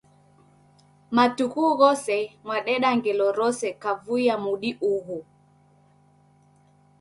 Matuku ghose mwadeda ngelo rose kavui ya mudi ughu.